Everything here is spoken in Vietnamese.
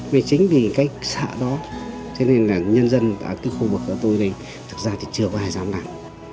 vì chính vì cái sợ đó thế nên là nhân dân ở cái khu vực của tôi này thật ra thì chưa có ai dám làm